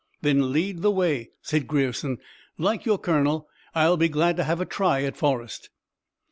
"Then lead the way," said Grierson. "Like your colonel, I'll be glad to have a try at Forrest."